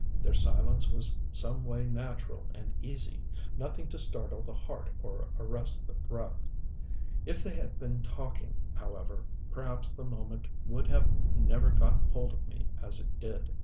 Their silence was some way natural and easy, nothing to startle the heart or arrest the breath. If they had been talking, however, perhaps the moment would have never got hold of me as it did.